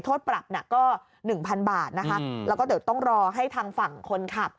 โทษปรับเนี่ยก็๑๐๐บาทนะคะแล้วก็เดี๋ยวต้องรอให้ทางฝั่งคนขับ